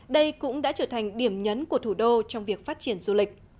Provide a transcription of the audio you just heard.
đây cũng đã trở thành điểm nhấn của thủ đô trong việc phát triển du lịch